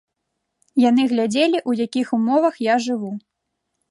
Яны глядзелі, у якіх умовах я жыву.